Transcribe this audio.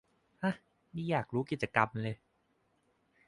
ห๊ะ นี่อยากรู้กิจกรรมเลย